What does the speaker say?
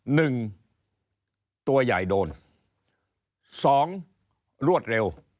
หนึ่งตัวใหญ่โดนสองรวดเร็ว